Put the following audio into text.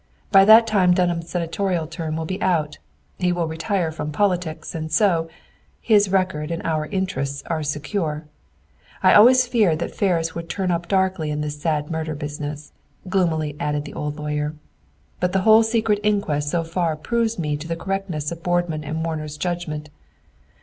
By that time Dunham's senatorial term will be out. He will retire from politics, and so, his record and our interests are secure! I always feared that Ferris would turn up darkly in this sad murder business," gloomily added the old lawyer. "But the whole secret inquest so far proves to me the correctness of Boardman and Warner's judgment.